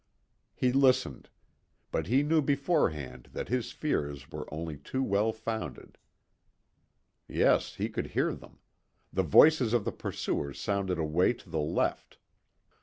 He listened. But he knew beforehand that his fears were only too well founded. Yes, he could hear them. The voices of the pursuers sounded away to the left.